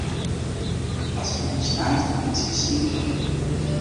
As it moarn snijt, meitsje ik in sniepop.